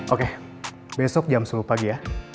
oke besok jam sepuluh pagi ya